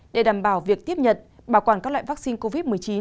để đảm bảo việc tiếp nhật bảo quản các loại vắc xin covid một mươi chín